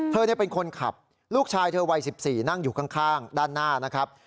เธอเป็นคนขับลูกชายเธอวัย๑๔นั่งอยู่ข้างด้านหน้านะครับ